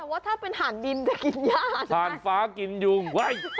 แต่ว่าถ้าเป็นห่านดินจะกินย่าใช่ไหม